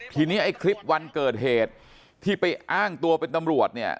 ทีนี้ไอ้คลิปวันเกิดเหตุที่ไปอ้างตัวเป็นตำรวจเนี่ย